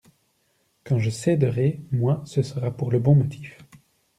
Quand je céderai, moi, ce sera pour le bon motif.